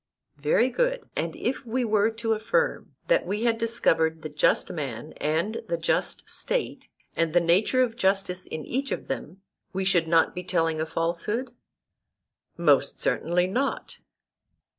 Very good; and if we were to affirm that we had discovered the just man and the just State, and the nature of justice in each of them, we should not be telling a falsehood? Most certainly not.